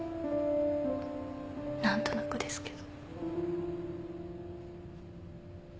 何となくですけど。